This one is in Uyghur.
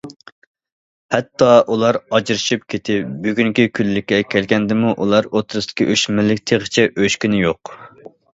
ھەتتا ئۇلار ئاجرىشىپ كېتىپ بۈگۈنكى كۈنلۈككە كەلگەندىمۇ ئۇلار ئوتتۇرىسىدىكى ئۆچمەنلىك تېخىچە ئۆچكىنى يوق.